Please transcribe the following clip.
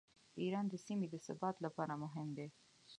ایران د سیمې د ثبات لپاره مهم دی.